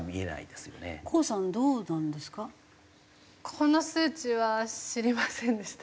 この数値は知りませんでした。